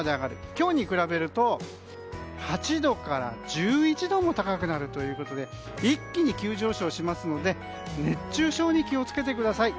今日に比べると、８度から１１度も高くなるということで一気に急上昇しますので熱中症に気を付けてください。